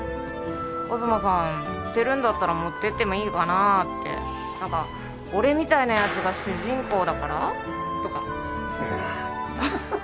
東さん捨てるんだったら持ってってもいいかなあって何か俺みたいなヤツが主人公だからとか・なーに・ハハハ